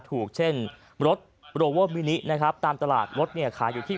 ถูกเช่นรถโรเวอร์มินินะครับตามตลาดรถเนี่ยขายอยู่ที่